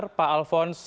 terima kasih pak alphonse